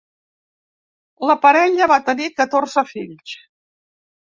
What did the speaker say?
La parella va tenir catorze fills.